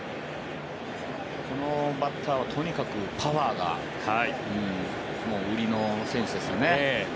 このバッターはとにかくパワーが売りの選手ですよね。